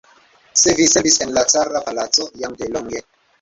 Ŝi servis en la cara palaco jam de longe.